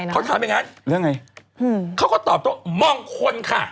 เขาถามอย่างงั้นเขาก็ตอบตัวมองคนค่ะ